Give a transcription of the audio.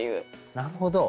なるほど。